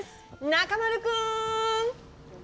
中丸君！